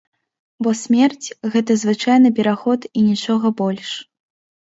Бо смерць, гэта звычайны пераход і нічога больш.